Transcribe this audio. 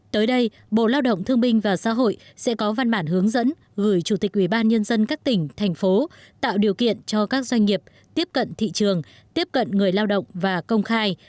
tới đây bộ lao động thương minh và xã hội sẽ có văn bản hướng dẫn gửi chủ tịch ubnd các tỉnh thành phố tạo điều kiện cho các doanh nghiệp tiếp cận thị trường tiếp cận người lao động và công khai